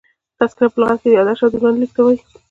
تذکره په لغت کښي یاداشت او ژوند لیک ته وايي.